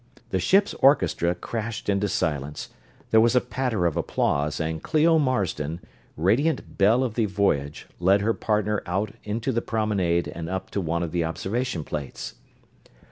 The ship's orchestra crashed into silence, there was a patter of applause and Clio Marsden, radiant belle of the voyage, led her partner out into the promenade and up to one of the observation plates.